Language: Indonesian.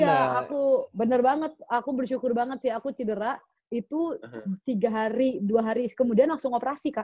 iya aku bener banget aku bersyukur banget sih aku cedera itu tiga hari dua hari kemudian langsung operasi